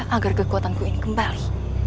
agar kekuatanku ini kembali